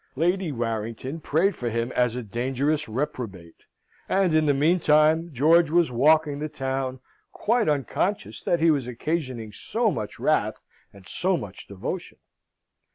Lady Warrington prayed for him as a dangerous reprobate; and, in the meantime, George was walking the town, quite unconscious that he was occasioning so much wrath and so much devotion.